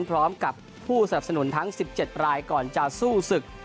พร้อมกับผู้สนับสนุนทั้ง๑๗รายก่อนจะสู้ศึก